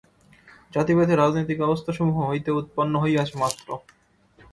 জাতিভেদ রাজনীতিক ব্যবস্থাসমূহ হইতে উৎপন্ন হইয়াছে মাত্র।